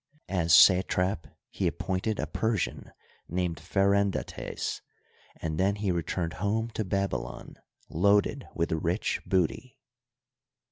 As satrap he appointed a Persian named Pheren dates, and then he returned home to Babylon loaded with rich booty.